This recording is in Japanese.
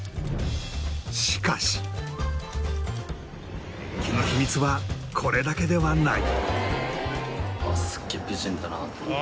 しかし人気の秘密はこれだけではない。